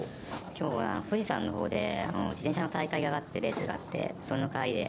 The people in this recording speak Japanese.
きょうは富士山のほうで、自転車の大会があって、レースがあって、その帰りで。